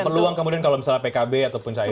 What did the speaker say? peluang kemudian kalau misalnya pkb ataupun caimin